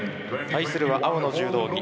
対するは青の柔道着